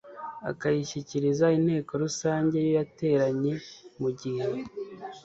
akayishyikiriza inteko rusange iyo yateranye mu gihe